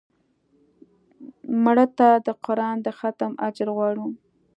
مړه ته د قرآن د ختم اجر غواړو